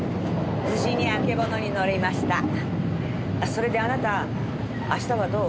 それであなた明日はどう？